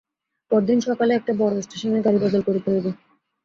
পরদিন সকালে একটা বড়ো স্টেশনে গাড়ি বদল করিতে হইবে।